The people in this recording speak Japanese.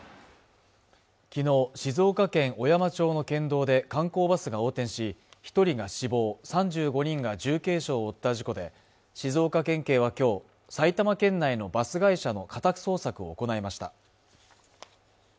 きのう静岡県小山町の県道で観光バスが横転し一人が死亡３５人が重軽傷を負った事故で静岡県警はきょう埼玉県内のバス会社の家宅捜索を行いました